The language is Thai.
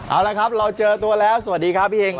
เอาละครับเราเจอตัวแล้วสวัสดีครับพี่อิง